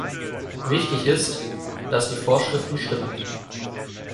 Wichtig ist, dass die Vorschriften stimmen.